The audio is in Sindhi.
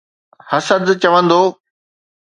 حسد چوندو.